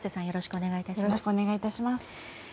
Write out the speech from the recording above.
よろしくお願いします。